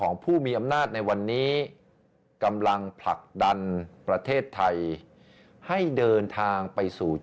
ในขณะที่ความคิเทศภาพ